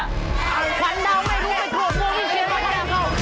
ควันเดาไม่รู้ไปโผล่โมงที่เชียรับกำลังเขา